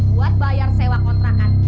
buat bayar sewa kontrakan